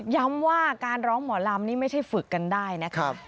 ย้ำว่าการร้องหมอลำนี่ไม่ใช่ฝึกกันได้นะคะ